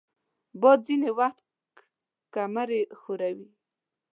باد ځینې وخت کمرې ښوروي